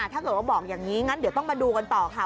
ถ้าเกิดว่าบอกอย่างนี้งั้นเดี๋ยวต้องมาดูกันต่อค่ะ